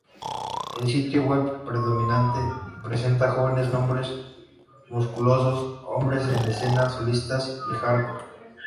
El sitio web predominantemente presenta jóvenes, hombres musculosos, hombres en escenas solistas y hardcore.